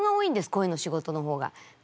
声の仕事の方が。